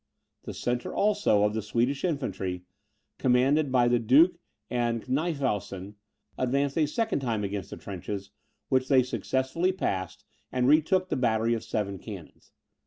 The centre, also, of the Swedish infantry, commanded by the duke and Knyphausen, advanced a second time against the trenches, which they successfully passed, and retook the battery of seven cannons.